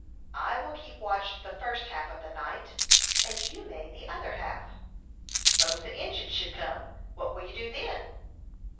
"I will keep watch the first half of the night, and you may the other half." "S'pose'n the Injins should kim; what would you do then?"